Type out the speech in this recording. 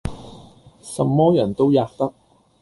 什麼人都喫得。